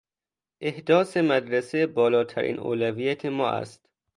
احداث مدرسه بالاترین اولویت ما است.